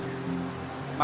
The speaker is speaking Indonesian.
dan untuk memperoleh